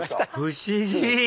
不思議！